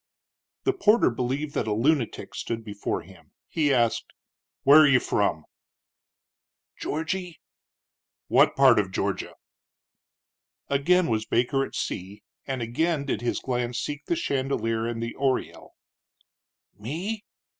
The porter believed that a lunatic stood before him. He asked: "Where are you from?" "Georgy." "What part of Georgia?" Again was Baker at sea, and again did his glance seek the chandelier and the oriel. "Me?"